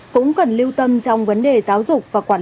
cũng cần lưu tâm trong vấn đề giáo dục và quản lý